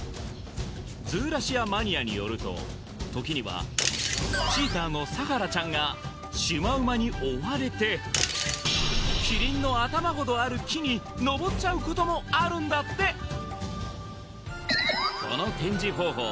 ズーラシアマニアによると時にはチーターのサハラちゃんがシマウマに追われてキリンの頭ほどある木に登っちゃうこともあるんだってこの展示方法